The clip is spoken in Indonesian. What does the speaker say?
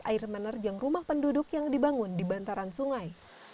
air menerjang rumah penduduk yang dibangun di bantaran sungai